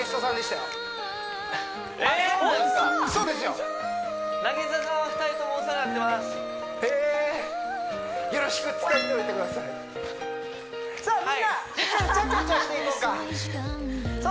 よろしく伝えておいてくださいさあ